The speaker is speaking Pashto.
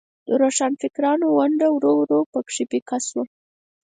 د روښانفکرانو ونډه ورو ورو په کې پیکه شوه.